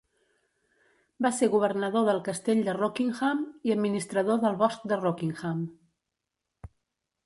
Va ser governador del castell de Rockingham i administrador del bosc de Rockingham.